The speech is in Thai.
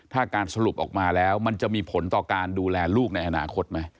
ถ้าการสรุปออกมาแล้วมันจะมีผลต่อการดูแลลูกในอนาคตไหม